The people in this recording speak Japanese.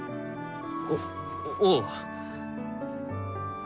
おおう。